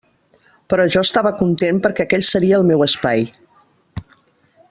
Però jo estava content perquè aquell seria el meu espai.